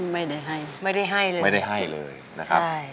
ไม่ได้ให้ไม่ได้ให้เลยไม่ได้ให้เลยนะครับใช่